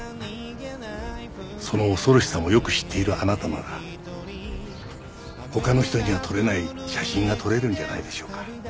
その恐ろしさをよく知っているあなたなら他の人には撮れない写真が撮れるんじゃないでしょうか。